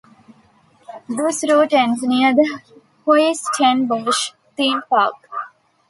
This route ends near the Huis Ten Bosch theme park.